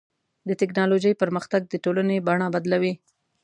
د ټکنالوجۍ پرمختګ د ټولنې بڼه بدلوي.